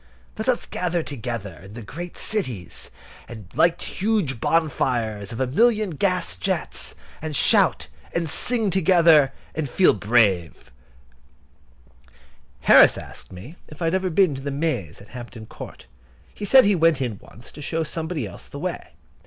Let us gather together in the great cities, and light huge bonfires of a million gas jets, and shout and sing together, and feel brave. [Picture: People at Hampton Maze] Harris asked me if I'd ever been in the maze at Hampton Court. He said he went in once to show somebody else the way.